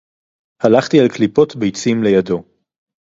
הלכתי על קליפות ביצים לידו